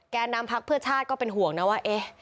นำพักเพื่อชาติก็เป็นห่วงนะว่าเอ๊ะ